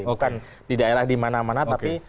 bukan di daerah di mana mana tapi